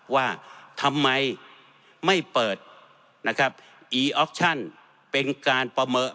ว่าทำไมไม่เปิดนะครับอีออกชั่นเป็นการประเมิน